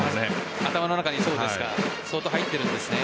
頭の中に、そうですか相当入っているんですね。